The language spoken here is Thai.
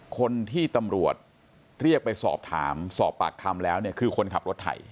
คนที่ตำรวจเรียกไปสอบถามสอบปากคำแล้วเนี่ยคือคนขับรถไถ